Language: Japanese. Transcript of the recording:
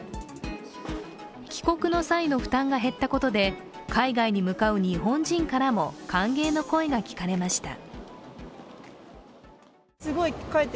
帰国の際の負担が減ったことで海外に向かう日本人からも歓迎の声が聞かれました。